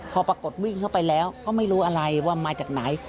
พอปรากฏวิ่งเข้าไปแล้วก็ไม่รู้อะไรว่ามาจากไหน